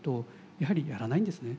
やはりやらないんですね。